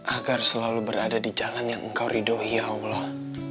agar selalu berada di jalan yang engkau ridohi ya allah